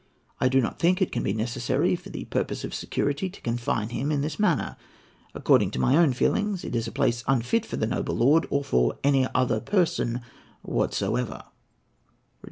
I do not think it can be necessary for the purpose of security to confine him in this manner. According to my own feelings, it is a place unfit for the noble lord, or for any other person whatsoever."